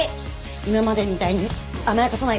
今までみたいに甘やかさないからね。